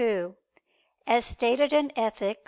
2: As stated in _Ethic.